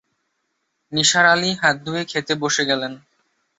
নিসার আলি হাত ধুয়ে খেতে বসে গেলেন।